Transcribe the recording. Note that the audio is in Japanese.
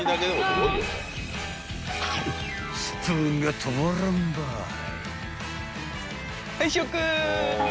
［スプーンが止まらんばい］